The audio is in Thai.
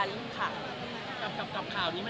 กับข่าวนี้มันทำให้คนจับตามองกลุ่มเรามากขึ้น